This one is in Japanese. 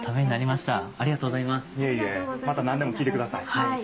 また何でも聞いてください。